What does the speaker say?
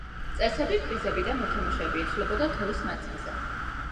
წესები, პრიზები და მოთამაშეები იცვლებოდა დროის მანძილზე.